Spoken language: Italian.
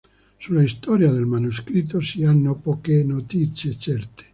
Sulla storia del manoscritto si hanno poche notizie certe.